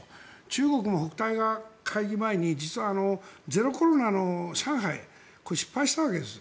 中国も北戴河会議前に実はゼロコロナの上海これ、失敗したわけです。